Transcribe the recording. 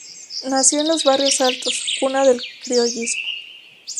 Nació en los Barrios Altos, cuna del criollismo.